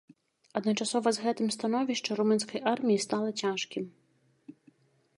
Адначасова з гэтым становішча румынскай арміі стала цяжкім.